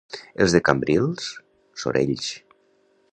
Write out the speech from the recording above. Els de Cambrils, sorells.